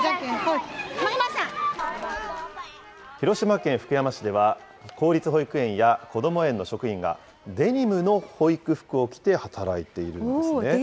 広島県福山市では、公立保育園やこども園の職員が、デニムの保育服を着て働いているんですね。